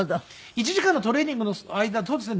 １時間のトレーニングの間そうですね。